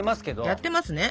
やってますね。